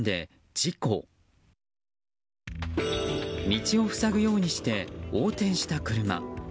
道を塞ぐようにして横転した車。